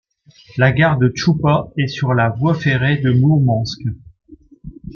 La gare de Tchoupa est sur la voie ferrée de Mourmansk.